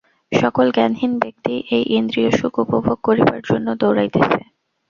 সকল জ্ঞানহীন ব্যক্তিই এই ইন্দ্রিয়সুখ উপভোগ করিবার জন্য দৌড়াইতেছে।